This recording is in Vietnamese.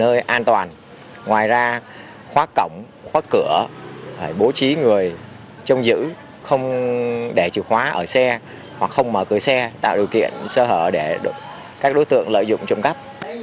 nơi an toàn ngoài ra khóa cổng khóa cửa bố trí người trong giữ không để chìu khóa ở xe hoặc không mở cửa xe tạo điều kiện sơ hợi để các đối tượng lợi dụng trồng cấp